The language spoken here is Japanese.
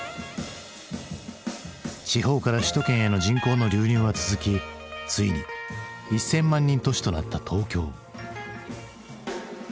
地方から首都圏への人口の流入は続きついに１，０００万人都市となった東京。